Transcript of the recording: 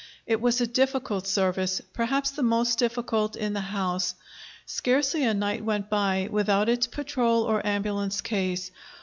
It was a difficult service, perhaps the most difficult in the house. Scarcely a night went by without its patrol or ambulance case.